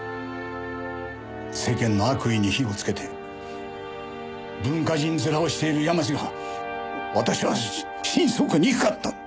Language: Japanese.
世間の悪意に火をつけて文化人面をしている山路が私は心底憎かった。